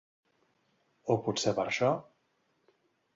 O potser per això.